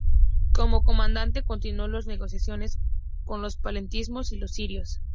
Como comandante, continuó las negociaciones con los palestinos y los sirios.